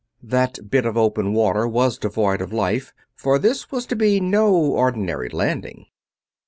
That bit of open water was devoid of life, for this was to be no ordinary landing.